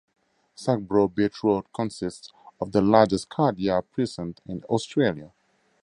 Sacbrough Beach Road consists of the largest car yard precinct in Australia.